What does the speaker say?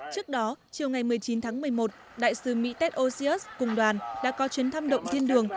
trước đó chiều ngày một mươi chín tháng một mươi một đại sứ mỹ tets osius cùng đoàn đã có chuyến thăm động viên đường